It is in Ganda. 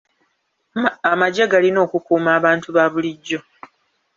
Amagye galina okukuuma abantu ba bulijjo.